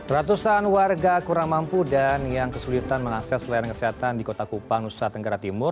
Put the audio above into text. ratusan warga kurang mampu dan yang kesulitan mengakses layanan kesehatan di kota kupang nusa tenggara timur